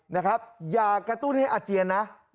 นะครับอย่ากระตุ้นให้อาเจียนนะ